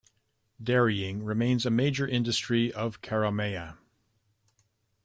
Dairying remains a major industry of Karamea.